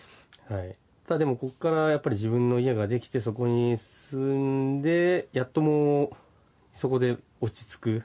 ただ、でもここから自分の家ができてそこに住んで、やっとそこで落ち着く。